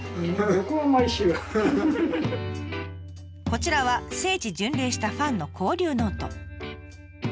こちらは聖地巡礼したファンの交流ノート。